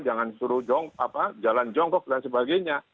jangan suruh jalan jongkok dan sebagainya